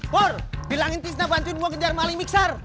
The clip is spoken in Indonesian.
por bilangin tisna bantuin gue kejar maling mixer